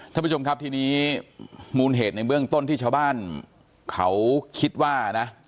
ท่านผู้ชมครับทีนี้มูลเหตุในเบื้องต้นที่ชาวบ้านเขาคิดว่านะ